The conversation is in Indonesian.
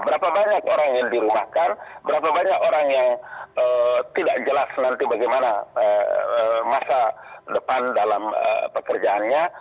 berapa banyak orang yang dirumahkan berapa banyak orang yang tidak jelas nanti bagaimana masa depan dalam pekerjaannya